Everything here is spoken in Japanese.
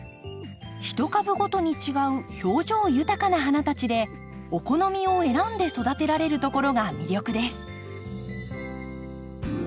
一株ごとに違う表情豊かな花たちでお好みを選んで育てられるところが魅力です。